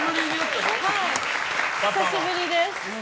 久しぶりです。